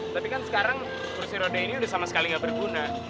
tapi kan sekarang kursi roda ini udah sama sekali gak berguna